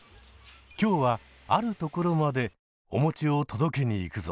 今日はあるところまでおもちを届けに行くぞ！